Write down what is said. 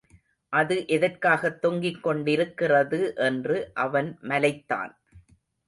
அது எதற்காகத் தொங்கிக்கொண்டிருக்கிறது என்று அவன் மலைத்தான்.